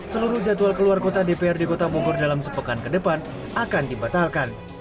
seluruh jadwal keluar kota dprd kota bogor dalam sepekan ke depan akan dibatalkan